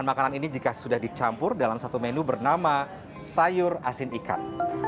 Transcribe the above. makanan ini jika sudah dicampur dalam satu menu bernama sayur asin ikan